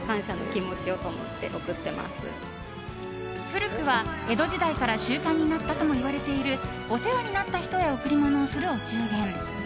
古くは江戸時代から習慣になったともいわれているお世話になった人へ贈り物をするお中元。